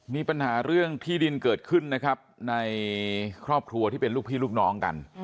มีปัญหาเรื่องที่ดินเกิดขึ้นนะครับในครอบครัวที่เป็นลูกพี่ลูกน้องกัน